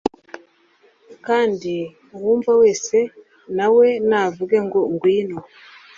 Kandi uwumva wese na we navuge ngo : "ngwino!